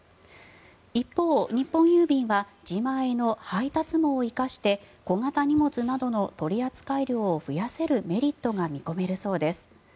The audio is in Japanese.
一方、日本郵便は自前の配達網を生かして小型荷物などの取扱量を増やせるメリットが見込めるそうです。